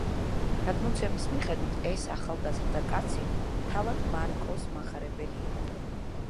გადმოცემის მიხედვით, ეს ახალგაზრდა კაცი თავად მარკოზ მახარებელი იყო.